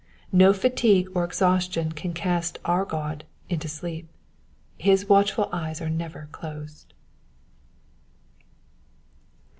No fatigue or exhaustion can cast our God into sleep ; his watchful eyes are never closed.